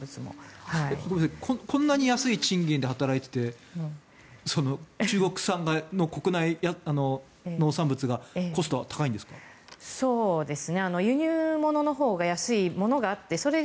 こんなに安い賃金で働いてて中国産の国内の農産物のコストが高いんですか。